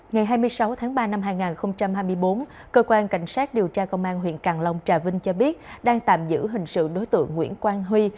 ngày hai mươi sáu tháng ba năm hai nghìn hai mươi bốn cơ quan cảnh sát điều tra công an huyện càng long trà vinh cho biết đang tạm giữ hình sự đối tượng nguyễn quang huy